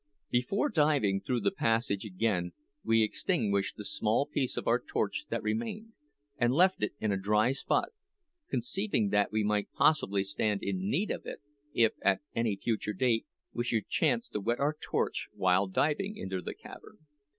Before diving through the passage again we extinguished the small piece of our torch that remained, and left it in a dry spot conceiving that we might possibly stand in need of it if, at any future time, we should chance to wet our torch while diving into the cavern.